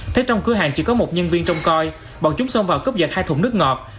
thế trong cửa hàng chỉ có một nhân viên trong coi bọn chúng xông vào cướp giật hai thùng nước ngọt